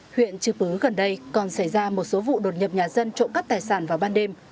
huyện chư pứ gần đây còn xảy ra một số vụ đột nhập nhà dân trộm cắp tài sản vào ban đêm